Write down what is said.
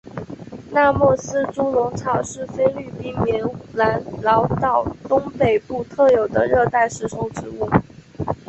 拉莫斯猪笼草是菲律宾棉兰老岛东北部特有的热带食虫植物。